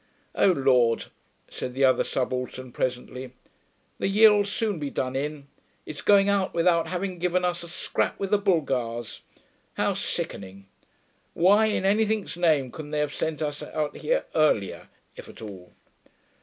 'O Lord!' said the other subaltern presently, 'the year'll soon be done in. It's going out without having given us a scrap with the Bulgars; how sickening!... Why in anything's name couldn't they have sent us out here earlier, if at all?'